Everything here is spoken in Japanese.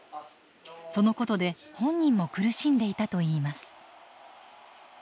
そのことで本人も苦しんでいたといいます。